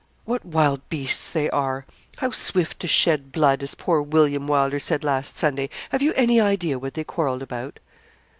What wild beasts they are. How "swift to shed blood," as poor William Wylder said last Sunday. Have you any idea what they quarrelled about?'